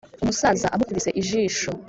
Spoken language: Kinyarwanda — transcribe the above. umusaza amukubise ijisho